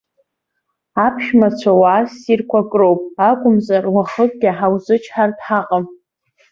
Аԥшәмацәа уаа ссирқәак роуп акәымзар, уахыкгьы ҳаузычҳартә ҳаҟам.